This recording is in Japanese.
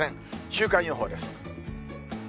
週間予報です。